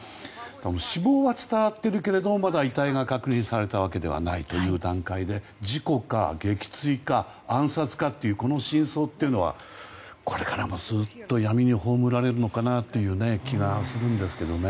死亡は伝わっているけど、遺体はまだ確認されたわけではない段階で事故か撃墜か、暗殺かというこの真相というのはこれからもずっと闇に葬られるのかなという気がするんですけどね。